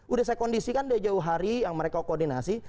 udah saya kondisikan dari jauh hari yang mereka koordinasi